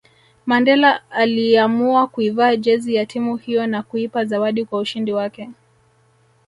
Mandela aliiamua kuivaa jezi ya timu hiyo na kuipa zawadi kwa ushindi wake